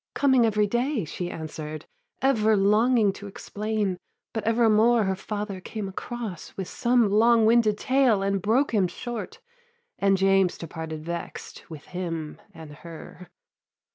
"Coming every day," She answered, "ever longing to explain, But evermore her father came across With some long winded tale, and broke him short; And James departed vext with him and her."